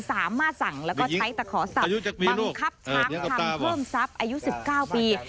สามารถสั่งแล้วก็ใช้ตะขอศัพท์บังคับช้างทำเพิ่มทรัพย์อายุสิบเก้าปี